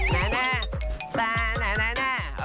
เต้นพร้อมกัน